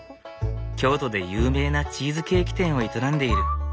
京都で有名なチーズケーキ店を営んでいる。